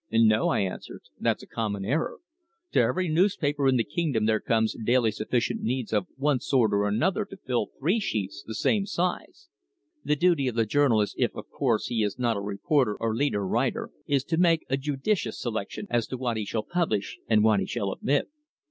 "No," I answered. "That's a common error. To every newspaper in the kingdom there comes daily sufficient news of one sort or another to fill three sheets the same size. The duty of the journalist, if, of course, he is not a reporter or leader writer, is to make a judicious selection as to what he shall publish and what he shall omit.